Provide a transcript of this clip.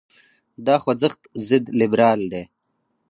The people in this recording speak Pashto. دا خوځښت ضد لیبرال دی.